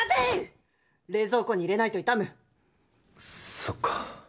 そっか。